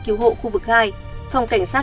cứu hộ khu vực hai phòng cảnh sát